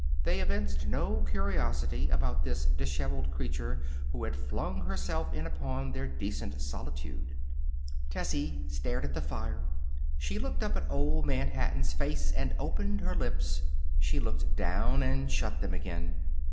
They evinced no curiosity about this disheveled creature who had flung herself in upon their decent solitude. Tessie stared at the fire. She looked up at Old Man Hatton's face and opened her lips. She looked down and shut them again.